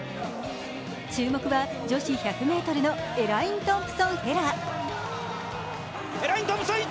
注目は女子１００ｍのエライン・トンプソン・ヘラ。